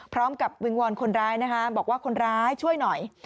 พร้อมกับวิงวรคนร้ายนะคะบอกว่าคนร้ายช่วยหน่อย